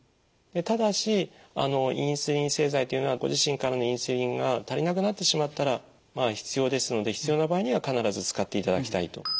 ただしインスリン製剤というのはご自身からのインスリンが足りなくなってしまったら必要ですので必要な場合には必ず使っていただきたいと。